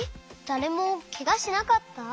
だれもケガしなかった？